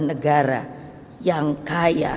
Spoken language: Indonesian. negara yang kaya